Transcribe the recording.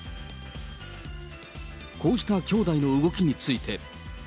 こうした兄弟の動きについて。